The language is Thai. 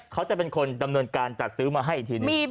เขาจะเป็นคนดำเนินการจัดซื้อมาให้อีกทีหนึ่ง